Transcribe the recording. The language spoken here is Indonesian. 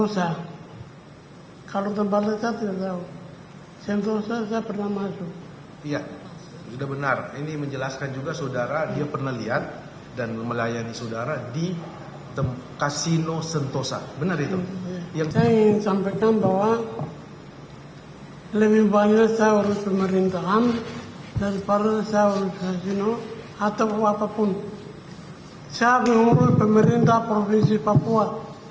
saya mengurus pemerintahan provinsi papua